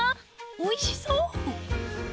おいしそう！